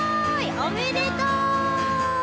おめでとう！